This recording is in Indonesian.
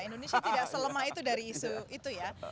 indonesia tidak selemah itu dari indonesia